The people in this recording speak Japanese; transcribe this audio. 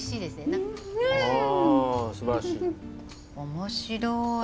面白い。